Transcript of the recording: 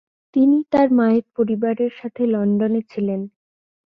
তিনি তার মায়ের পরিবারের সাথে লন্ডনে ছিলেন।